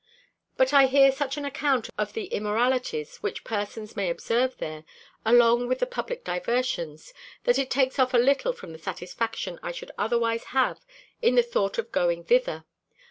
But I hear such an account of the immoralities which persons may observe there, along with the public diversions, that it takes off a little from the satisfaction I should otherwise have in the thought of going thither.